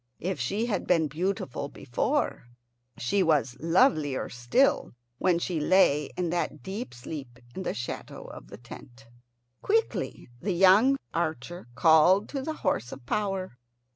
If she had been beautiful before, she was lovelier still when she lay in that deep sleep in the shadow of the tent. Quickly the young archer called to the horse of power.